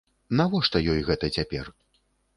Навошта ёй гэта цяпер?